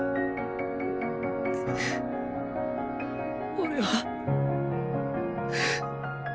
俺は。